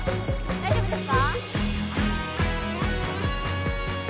大丈夫です。